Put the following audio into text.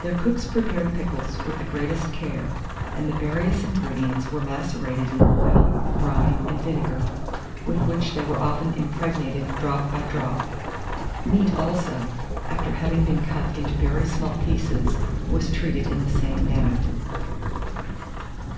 Their cooks prepared pickles with the greatest care, and the various ingredients were macerated in oil, brine, and vinegar, with which they were often impregnated drop by drop. Meat, also, after having been cut into very small pieces, was treated in the same manner.